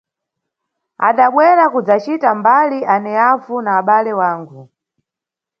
Adabwera kudzacita mbali aneyavu na abale wangu.